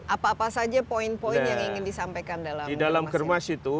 apa apa saja poin poin yang ingin disampaikan dalam kermas itu